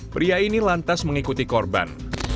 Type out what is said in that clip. pria ini lantas mengikuti korban